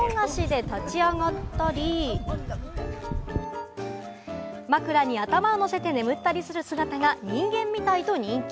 ２本足で立ち上がったり、枕に頭をのせて眠ったりする姿が人間みたいと人気。